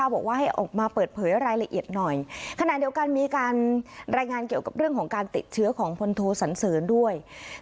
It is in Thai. บอกว่าให้ออกมาเปิดเผยรายละเอียดหน่อย